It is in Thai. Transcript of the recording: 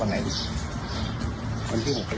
อ็นครับ